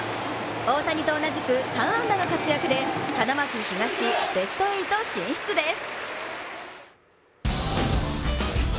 大谷と同じく３安打の活躍で花巻東、ベスト８進出です。